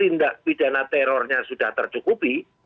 tindak pidana terornya sudah tercukupi